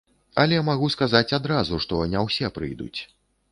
Але магу сказаць адразу, што не ўсе прыйдуць.